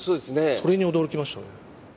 それに驚きました。